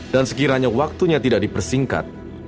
dan sekiranya waktunya tidak dipersingkat